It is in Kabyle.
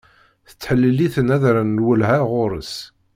Tettḥelil-iten ad rren lwelha ɣur-s.